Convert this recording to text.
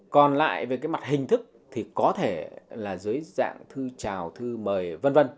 còn lại về mặt hình thức thì có thể là dưới dạng thư chào thư mời v v